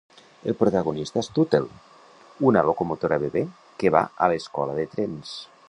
El protagonista és Tootle, una locomotora bebè que va a l'escola de trens.